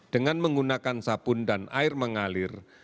dengan menggunakan sabun dan air mengalir